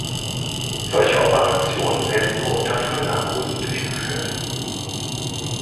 Solche Operationen werden nur unter Vollnarkose durchgeführt.